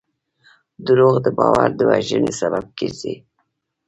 دروغ د باور د وژنې سبب کېږي.